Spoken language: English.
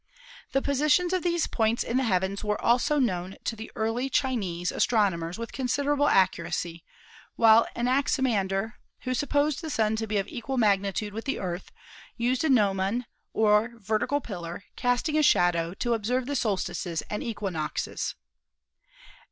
The positions of these points in the heavens were also known to the early Chinese astronomers with considerable accuracy, while Anaximan der, who supposed the Sun to be of equal magnitude with the Earth, used a gnomon or vertical pillar casting a shadow to observe the solstices and equinoxes.